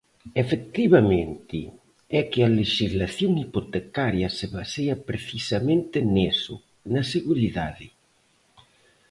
Efectivamente, é que a lexislación hipotecaria se basea precisamente niso: na seguridade.